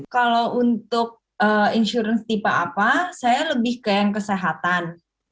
kalau untuk insurance tipe apa saya lebih ke yang kesehatan